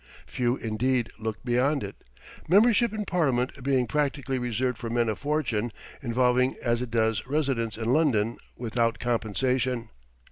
Few, indeed, look beyond it membership in Parliament being practically reserved for men of fortune, involving as it does residence in London without compensation.